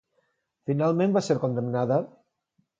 Finalment va ser condemnada?